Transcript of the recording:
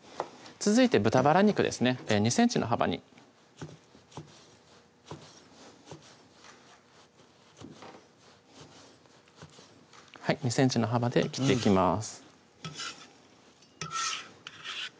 続いて豚バラ肉ですね２ｃｍの幅に２ｃｍの幅で切っていきます